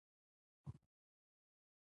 په ننګرهار کې د خپلواکۍ په وياړ غونډه وشوه.